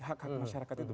hak hak masyarakat itu